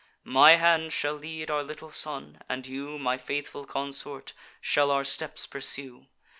My hand shall lead our little son; and you, My faithful consort, shall our steps pursue.